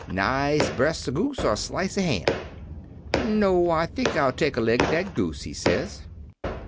'Nice breast o' goose, or slice o' ham?' "'No; I think I'll take a leg of dat goose,' he says.